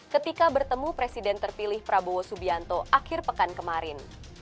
ketika bertemu presiden terpilih prabowo subianto akhir pekan kemarin